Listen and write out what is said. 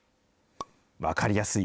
分かりやすい！